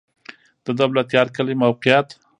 د دولتيار کلی موقعیت